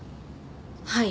はい。